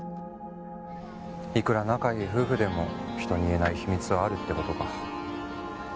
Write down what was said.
いくら仲いい夫婦でも人に言えない秘密はあるって事か。